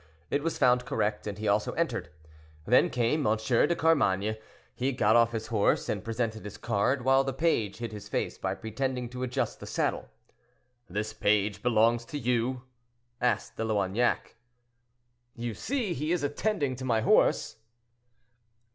It was found correct, and he also entered. Then came M. de Carmainges. He got off his horse and presented his card, while the page hid his face by pretending to adjust the saddle. "The page belongs to you?" asked De Loignac. "You see, he is attending to my horse."